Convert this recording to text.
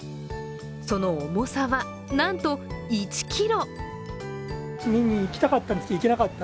その重さは、なんと１ｋｇ。